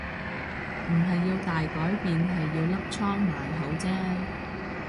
唔係要大改變係要粒瘡埋口啫